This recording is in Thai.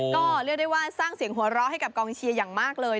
ก็เรียกได้ว่าสร้างเสียงหัวเราะให้กับกองเชียร์อย่างมากเลย